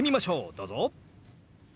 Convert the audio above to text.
どうぞ。